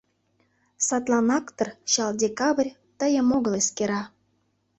Садланак дыр Чал декабрь Тыйым огыл эскера.